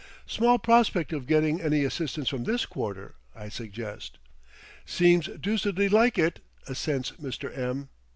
"Small prospect of getting any assistance from this quarter," I suggest. "Seems deucedly like it," assents Mr. M